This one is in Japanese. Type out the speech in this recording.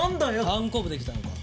たんこぶできたのか？